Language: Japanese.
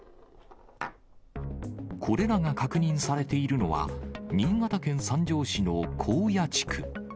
これらが確認されているのは、新潟県三条市の興野地区。